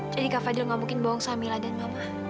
jadi kak fadil gak mungkin bohong sama mila dan mama